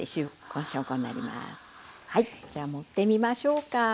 はいじゃ盛ってみましょうか。